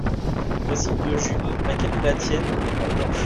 Voici deux jupes. Laquelle est la tienne ? La blanche.